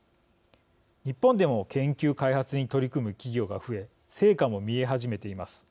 日本でも研究、開発に取り組む企業が増え成果も見え始めています。